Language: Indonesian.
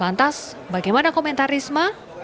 lantas bagaimana komentar risma